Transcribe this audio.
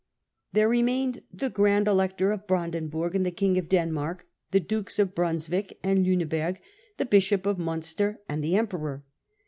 There remained the Grand Elector of Brandenburg, the King of Denmark, the Dukes of Brunswick and Liine burg, the Bishop of Munster, and the Emperor.